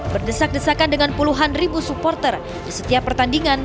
berdesak desakan dengan puluhan ribu supporter di setiap pertandingan